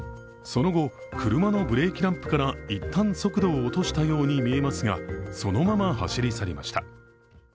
その後、車のブレーキランプからいったん速度を落としたように見えますが、そのまま走り去りました。